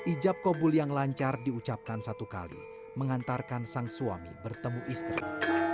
ijab kobul yang lancar diucapkan satu kali mengantarkan sang suami bertemu istri